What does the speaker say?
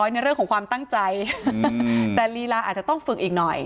ในเรื่องของความตั้งใจแต่ลีลาอาจจะต้องฝึกอีกหน่อย